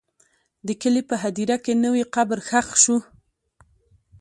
د کلي په هدیره کې نوی قبر ښخ شو.